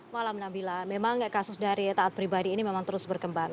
malam nabila memang kasus dari taat pribadi ini memang terus berkembang